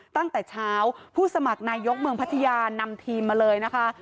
ตั้งแต่เช้าผู้สมัครนายกเมืองพัทยานำทีมมาเลยนะคะ